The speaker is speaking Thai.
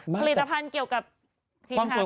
ผลิตภัณฑ์เกี่ยวกับพิทธิ์ฮาเทียว